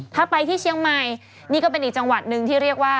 ถ้าไปที่เชียงใหม่นี่ก็เป็นอีกจังหวัดหนึ่งที่เรียกว่า